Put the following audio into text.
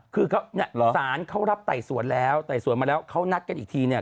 คือสารเขารับไต่สวนแล้วไต่สวนมาแล้วเขานัดกันอีกทีเนี่ย